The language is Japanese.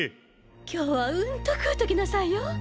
今日はうんと食うときなさいよ。